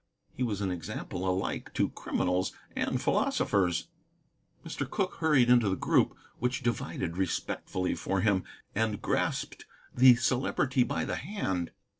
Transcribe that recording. He was an example alike to criminals and philosophers. Mr. Cooke hurried into the group, which divided respectfully for him, and grasped the Celebrity by the hand.